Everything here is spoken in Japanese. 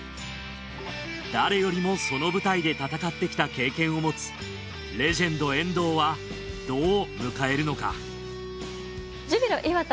誰よりもその舞台で戦ってきた経験を持つレジェンド遠藤はどう迎えるのか？